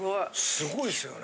すごいっすよね。